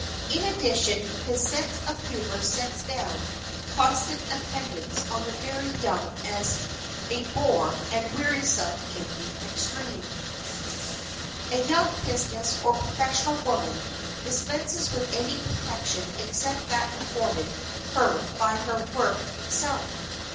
In addition, his sense of humor sets down constant attendance on the very young as a bore and wearisome in the extreme. A young business or professional woman dispenses with any protection except that afforded her by her work itself.